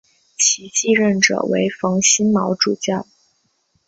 其继任者为封新卯主教。